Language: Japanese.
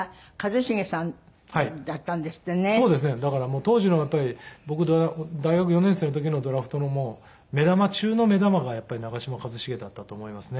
だからもう当時のやっぱり僕大学４年生の時のドラフトのもう目玉中の目玉がやっぱり長嶋一茂だったと思いますね。